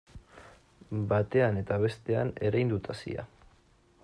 Batean eta bestean erein dut hazia.